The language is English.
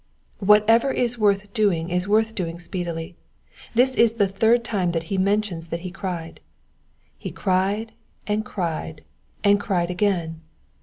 Whatever is worth doing is worth doing speedily. This is the third time that he mentions that he cried. He cried, and cried, and cried again.